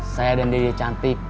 saya dan dede cantik